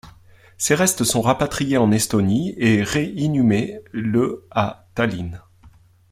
Ses restes sont rapatriés en Estonie et ré-inhumés le à Tallinn.